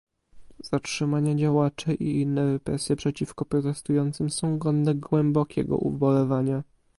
Zatrzymania działaczy i inne represje przeciwko protestującym są godne głębokiego ubolewania